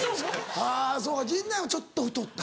あぁそうか陣内はちょっと太ったか。